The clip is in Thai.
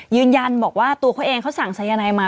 ยืนยันบอกว่าตัวเขาเองเขาสั่งสายนายมา